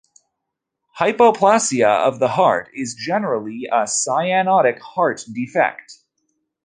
Hypoplasia of the heart is generally a cyanotic heart defect.